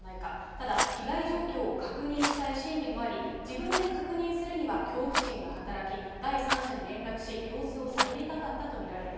ただ、被害状況を確認したい心理もあり、自分で確認するには恐怖心が働き、第三者に連絡し、様子を探りたかったと見られる。